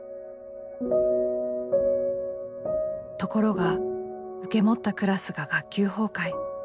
ところが受け持ったクラスが学級崩壊。